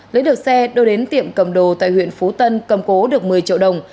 lấy được xe đưa đến tiệm cầm đồ tại huyện phú tân cầm cố được một mươi triệu đồng